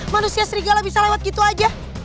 manusia serigala bisa lewat gitu aja